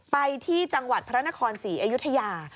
ไปที่จังหวัดพระนครศรีอยุธยา